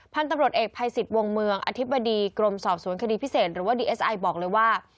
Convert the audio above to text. พันธุ์ตำรวจเอกภัยสิทธิ์วงเมืองอธิบดีกรมสอบสวนคดีพิเศษหรือว่าดีเอสไอบอกเลยว่า